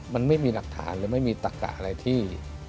มันไม่มีหลักฐานหรือไม่มีตักกะอะไรที่